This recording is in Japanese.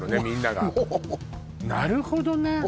みんながなるほどね